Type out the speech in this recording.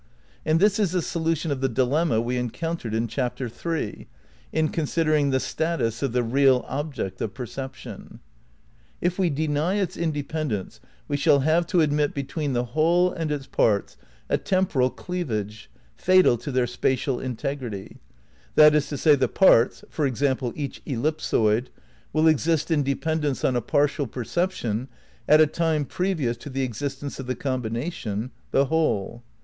And this is the solution of the dilemma we encountered in Chapter III, in considering the status of the "real object" of perception. If we deny its independence we shall have to admit between the whole and its parts a temporal cleavage fatal to their spatial integrity ; that is to say, the parts — for example, each ellipsoid — will exist in dependence on a partial perception at a time previous to the ex istence of the combination, the whole.